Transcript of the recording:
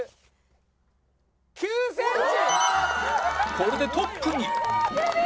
これでトップに